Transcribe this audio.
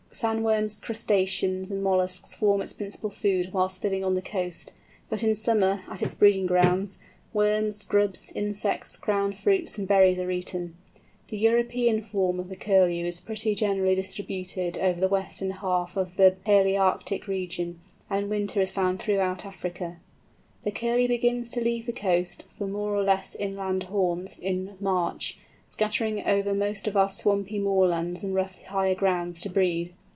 Sand worms, crustaceans, and molluscs form its principal food whilst living on the coast, but in summer, at its breeding grounds, worms, grubs, insects, ground fruits, and berries are eaten. The European form of the Curlew is pretty generally distributed over the western half of the Palæarctic region, and in winter is found throughout Africa. The Curlew begins to leave the coast for more or less inland haunts in March, scattering over most of our swampy moorlands and rough higher grounds to breed.